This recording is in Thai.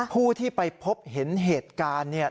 ผู้ที่ไปพบเห็นเหตุการณ์เนี่ย